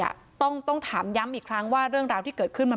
อ่ะต้องต้องถามย้ำอีกครั้งว่าเรื่องราวที่เกิดขึ้นมัน